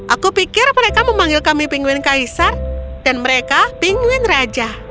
aku pikir mereka memanggil kami pingwin kaisar dan mereka pingwin raja